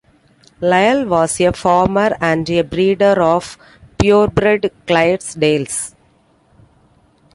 Lyle was a farmer, and a breeder of purebred Clydesdales.